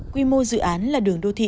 quy mô dự án là đường đô thị